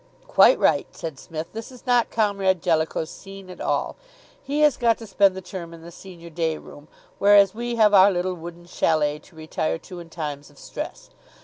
"Quite right," said Psmith; "this is not Comrade Jellicoe's scene at all; he has got to spend the term in the senior day room, whereas we have our little wooden châlet to retire to in times of stress.